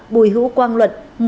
bùi hữu quang luận